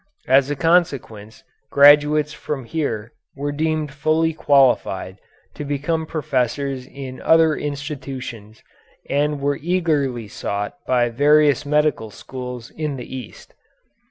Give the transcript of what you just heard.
As a consequence graduates from here were deemed fully qualified to become professors in other institutions and were eagerly sought by various medical schools in the East.